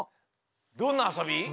どんなあそび？